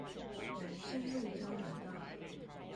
南深路交流道